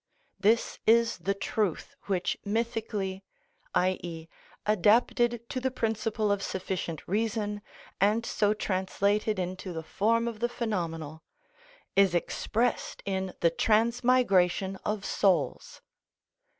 This is the truth which mythically, i.e., adapted to the principle of sufficient reason, and so translated into the form of the phenomenal, is expressed in the transmigration of souls.